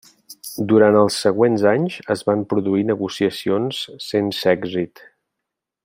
Durant els següents anys es van produir negociacions sense èxit.